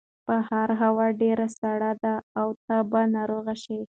بهر هوا ډېره سړه ده او ته به ناروغه شې.